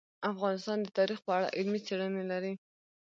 افغانستان د تاریخ په اړه علمي څېړنې لري.